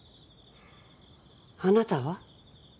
あなたは？